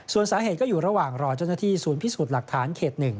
ส่วนสาเหตุก็อยู่ระหว่างรอเจ้าหน้าที่ศูนย์พิสูจน์หลักฐานเขต๑